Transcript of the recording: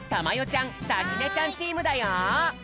ちゃんさきねちゃんチームだよ！